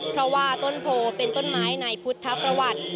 เพราะว่าต้นโพเป็นต้นไม้ในพุทธประวัติ